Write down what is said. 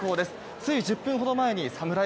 つい１０分ほど前にサムライ